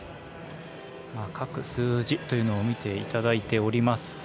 各数字というのを見ていただいております。